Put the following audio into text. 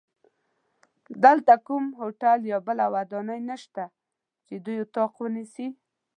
دلته کوم هوټل یا بله ودانۍ نشته چې دوی اتاق ونیسي.